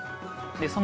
その。